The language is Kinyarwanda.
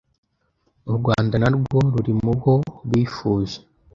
u Rwanda narwo ruri mu ho bifuje